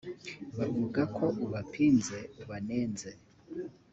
bavuga ko ubapinze ubanenze